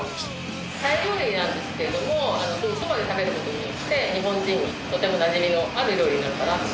タイ料理なんですけどもそばで食べることによって日本人にとてもなじみのある料理になるかなと。